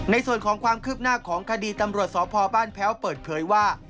ในส่วนของความคืบหน้าของคดีตำรวจสพบ้านแพ้วเปิดเผยว่า